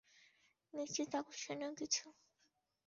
নিশ্চিত আকর্ষণীয় কিছু।